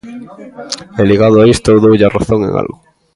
E ligado a isto, eu doulle a razón en algo.